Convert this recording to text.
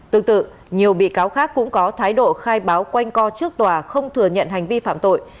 tương tự nhiều bị cáo khác cũng có thái độ khai báo quanh co trước tòa không thừa nhận hành vi phạm tội